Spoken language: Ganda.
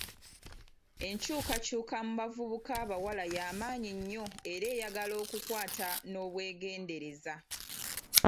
Enkyukakyuka mu bavubuka abawala yamaanyi nnyo era eyagala okukwata n'obwegendereza.